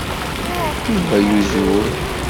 Yuba yuzur.